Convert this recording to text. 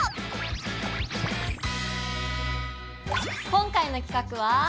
今回の企画は。